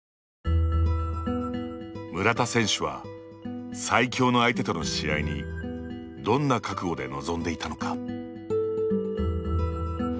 村田選手は最強の相手との試合にどんな覚悟で臨んでいたのか。